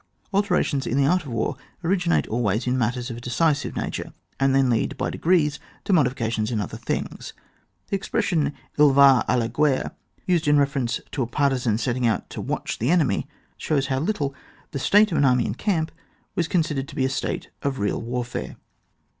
Alterations in the art of war originate always in matters of a decisive nature, and then lead by degrees to modifications in other things. The expression tl va d la gHerrtf used in reference to a partisan setting out to watch the enemy, shows how little the state of an army in camp was con sidered to be a state of real warfare.